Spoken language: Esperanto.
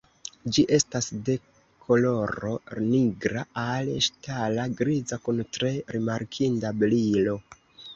Ĝi estas de koloro nigra al ŝtala griza kun tre rimarkinda brilo.